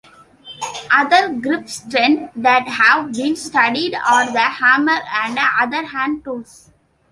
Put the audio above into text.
Other grip strengths that have been studied are the hammer and other hand tools.